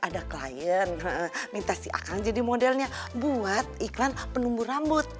ada klien minta si akal jadi modelnya buat iklan penumbu rambut